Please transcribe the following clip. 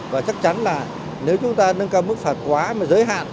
và chắc chắn là nếu chúng ta nâng cao mức phạt quá mà giới hạn